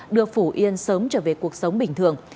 đưa phủ yên sớm trở về cuộc sống bình thường